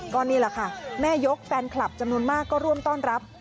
ก็นี่แหละค่ะแม่ยกแฟนคลับจำนวนมากก็ร่วมต้อนรับ